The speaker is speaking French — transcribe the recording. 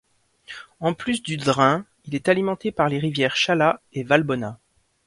En plus du Drin, il est alimenté par les rivières Shala et Valbona.